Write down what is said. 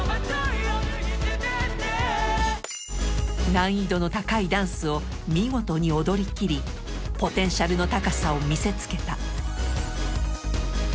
難易度の高いダンスを見事に踊りきりポテンシャルの高さを見せつけた